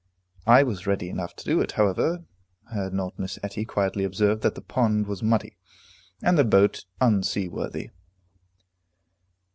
I was ready enough to do it, however, had not Miss Etty quietly observed that the pond was muddy, and the boat unseaworthy.